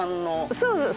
そうそう。